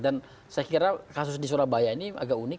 dan saya kira kasus di surabaya ini agak banyak